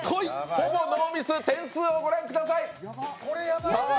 ほぼノーミス、点数をご覧ください。